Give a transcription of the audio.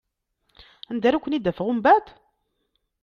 Anda ara ken-id-afeɣ umbeɛd?